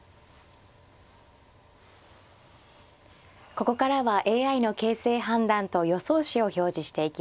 ここからはＡＩの形勢判断と予想手を表示していきます。